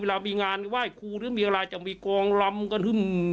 เวลามีงานไหว้ครูหรือมีอะไรจะมีกองลำกัน